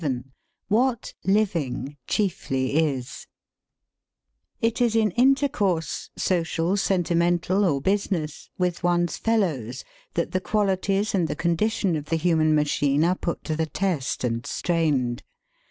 VII WHAT 'LIVING' CHIEFLY IS It is in intercourse social, sentimental, or business with one's fellows that the qualities and the condition of the human machine are put to the test and strained.